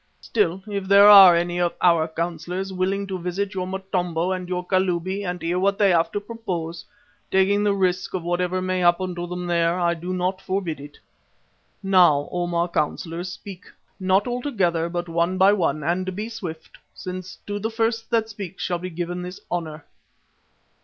Still, if there are any of our councillors willing to visit your Motombo and your Kalubi and hear what they have to propose, taking the risk of whatever may happen to them there, I do not forbid it. Now, O my Councillors, speak, not altogether, but one by one, and be swift, since to the first that speaks shall be given this honour."